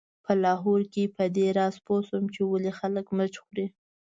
په لاهور کې په دې راز پوی شوم چې ولې خلک مرچ خوري.